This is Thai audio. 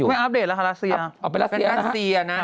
ไม่อัปเดตแล้วค่ะรัสเซียเป็นรัสเซียนะ